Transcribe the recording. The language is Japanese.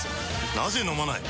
なぜ飲まない？